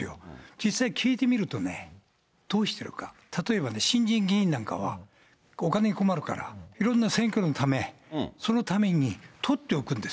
実際聞いてみるとね、どうしてるか、例えば、新人議員なんかは、お金に困るから、いろんな選挙のため、次の選挙のためにね。